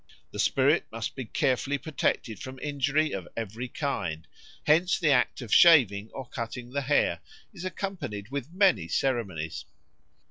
The spirit must be carefully protected from injury of every kind; hence the act of shaving or cutting the hair is accompanied with many ceremonies.